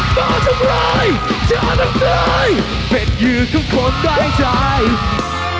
ถ้ามันไม่ใช่รถบรรทุกแล้วไม่ใช่รถตุกตุก